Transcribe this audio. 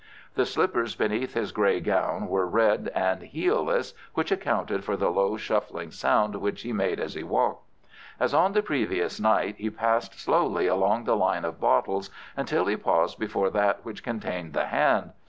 The slippers beneath his grey gown were red and heelless, which accounted for the low, shuffling sound which he made as he walked. As on the previous night he passed slowly along the line of bottles until he paused before that which contained the hand.